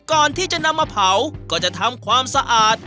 ก่อนที่จะนำมาเผาก็จะทำความสะอาด